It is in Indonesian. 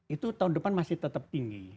itu tahun depan masih tetap tinggi